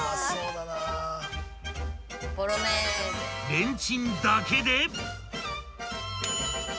［レンチンだけで］